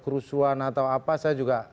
kerusuhan atau apa saya juga